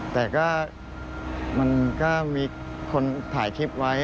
แต่ก็มันก็มีคนถ่ายคลิปไว้